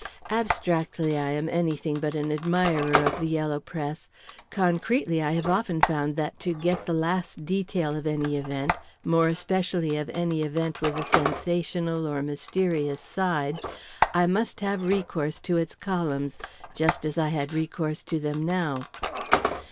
Abstractly, I am anything but an admirer of the yellow press; concretely, I have often found that to get the last detail of any event more especially of any event with a sensational or mysterious side I must have recourse to its columns, just as I had recourse to them now.